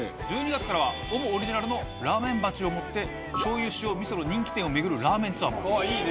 １２月からはＯＭＯオリジナルのラ―メン鉢を持って醤油塩味噌の人気店を巡るラーメンツアーも。